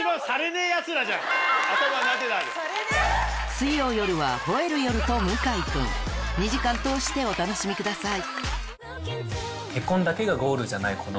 水曜夜は『吠える夜』と『向井くん』２時間通してお楽しみください